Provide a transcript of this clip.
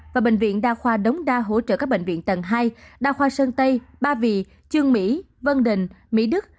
và bệnh viện đa khoa đống đa hỗ trợ các bệnh viện tầng hai đa khoa sơn tây ba vì trương mỹ vân đình mỹ đức